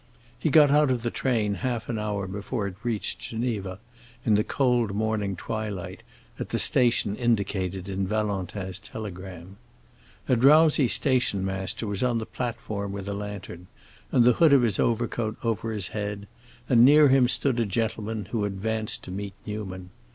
He got out of the train half an hour before it reached Geneva, in the cold morning twilight, at the station indicated in Valentin's telegram. A drowsy station master was on the platform with a lantern, and the hood of his overcoat over his head, and near him stood a gentleman who advanced to meet Newman.